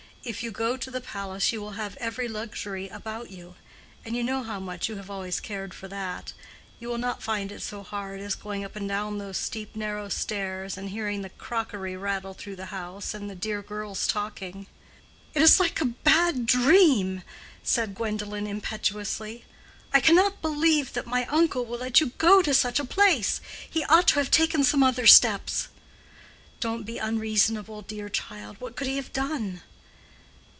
If you go to the palace you will have every luxury about you. And you know how much you have always cared for that. You will not find it so hard as going up and down those steep narrow stairs, and hearing the crockery rattle through the house, and the dear girls talking." "It is like a bad dream," said Gwendolen, impetuously. "I cannot believe that my uncle will let you go to such a place. He ought to have taken some other steps." "Don't be unreasonable, dear child. What could he have done?"